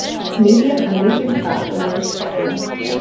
Medium and medium-fat are the most popular.